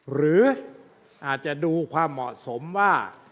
หรืออาจจะดูความเหมาะสมว่า